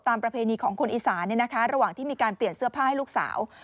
ประเพณีของคนอีสานระหว่างที่มีการเปลี่ยนเสื้อผ้าให้ลูกสาว